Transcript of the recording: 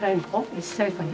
１歳かね？